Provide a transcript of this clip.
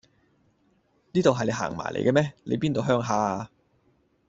呢度係你行埋嚟嘅咩？你邊度鄉下呀？